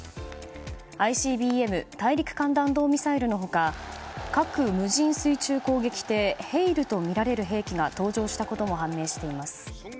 ＩＣＢＭ・大陸間弾道ミサイルの他核無人水中攻撃艇「ヘイル」とみられる兵器が登場したことも判明しています。